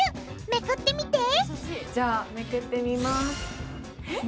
めくってみてじゃあめくってみます。